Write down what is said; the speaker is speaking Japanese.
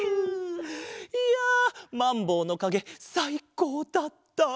いやまんぼうのかげさいこうだった！